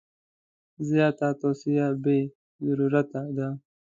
زیاته توصیه بې ضرورته ده.